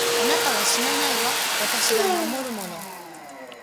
あなたは死なないわ、私が守るもの。